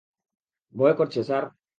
ভয় করছে, স্যার।